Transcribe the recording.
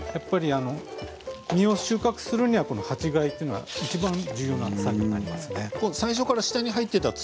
実を収穫するには鉢替えはいちばん重要な作業になります。